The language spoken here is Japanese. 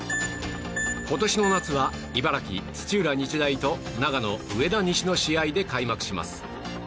今年の夏は茨城・土浦日大と長野・上田西の試合で開催します。